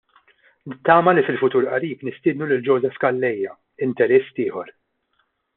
Nittama li fil-futur qarib nistiednu lil Joseph Calleja, Interist ieħor.